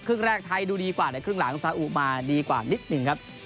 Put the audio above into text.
ครึ่งแรกไทยดูดีกว่าแต่ครึ่งหลังซาอุมาดีกว่านิดหนึ่งครับ